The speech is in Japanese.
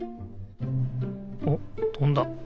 おっとんだ。